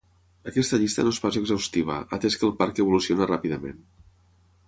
Aquesta llista no és pas exhaustiva, atès que el parc evoluciona ràpidament.